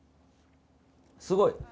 すごい。